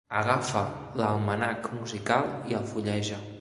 Agafa l'almanac musical i el fulleja.